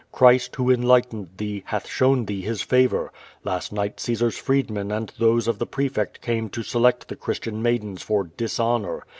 Christ, who enlightened thee, hath shown thee His favor. Last night Caesar's freedmen and tlioso of the prefect came to select the Christian maidens for dishonor.